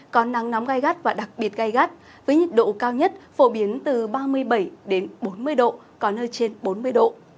có nắng nóng gai gắt và đặc biệt gai gắt với nhiệt độ cao nhất phổ biến từ ba mươi bảy bốn mươi độ có nơi trên bốn mươi độ